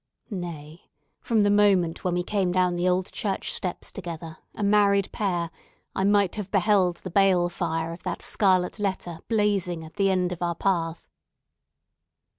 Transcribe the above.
Nay, from the moment when we came down the old church steps together, a married pair, I might have beheld the bale fire of that scarlet letter blazing at the end of our path!"